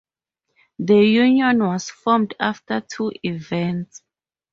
The union was formed after two events.